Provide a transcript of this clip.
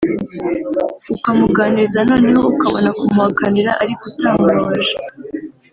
ukamuganiriza noneho ukabona kumuhakanira ariko utamubabaje